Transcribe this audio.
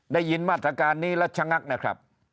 ได้ยินมาตรการนี้แล้วชะงักนะครับ